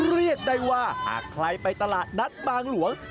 เรียกได้ว่าหากใครไปตลาดนัดบางหลวง